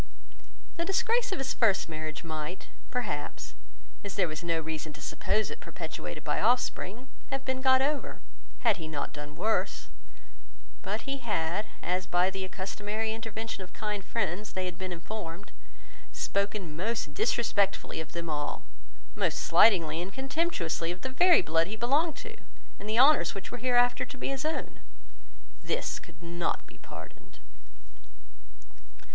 The disgrace of his first marriage might, perhaps, as there was no reason to suppose it perpetuated by offspring, have been got over, had he not done worse; but he had, as by the accustomary intervention of kind friends, they had been informed, spoken most disrespectfully of them all, most slightingly and contemptuously of the very blood he belonged to, and the honours which were hereafter to be his own. This could not be pardoned.